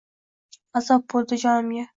Azob bo’ldim joningda.